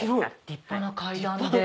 立派な階段で。